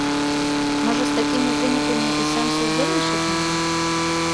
Можа, з такімі вынікамі і сэнсу ўдзельнічаць няма?